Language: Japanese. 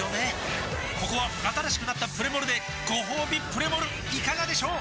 ここは新しくなったプレモルでごほうびプレモルいかがでしょう？